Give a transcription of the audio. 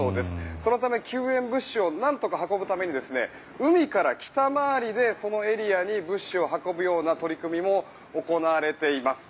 そのため救援物資をなんとか運ぶために海から北回りでそのエリアに物資を運ぶような取り組みも行われています。